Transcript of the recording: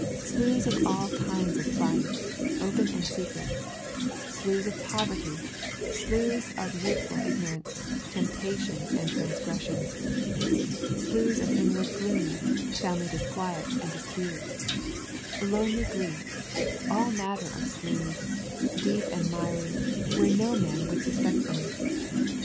Sloughs of all kinds of vice, open and secret; sloughs of poverty, sloughs of youthful ignorance, temptation, and transgression; sloughs of inward gloom, family disquiet and dispute; lonely grief; all manner of sloughs, deep and miry, where no man would suspect them.